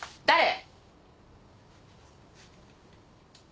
誰！？